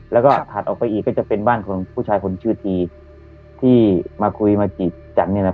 แล้วก็ถัดออกไปอีกก็จะเป็นบ้านของผู้ชายคนชื่อทีที่มาคุยมาจีบจันเนี่ยนะ